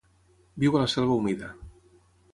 Viu a la selva humida.